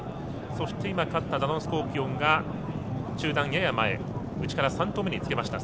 今、勝ったダノンスコーピオンが中団、やや前内から３頭目につきました。